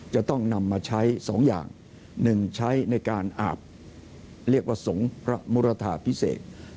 จะต้องนำมาใช้๒อย่าง๑ใช้ในการอาบเรียกว่าสงฆ์พระมุรทาพิเศษ